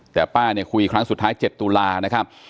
แต่ป้าเนี่ยคุยครั้งสุดท้าย๗ตุลานะครับ